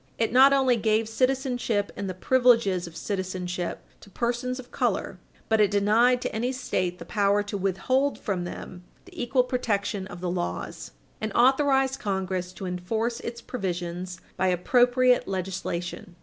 It not only gave citizenship and the privileges of citizenship to persons of color, but it denied to any State the power to withhold from them the equal protection of the laws, and authorized Congress to enforce its provisions Page 100 U. S. 307 by appropriate legislation.